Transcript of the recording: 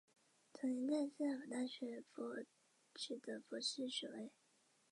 核质包括染色体和核仁。